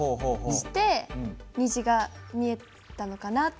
して虹が見えたのかなって。